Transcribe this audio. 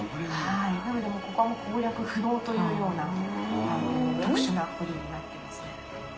なのでもうここは攻略不能というような特殊な堀になってますね。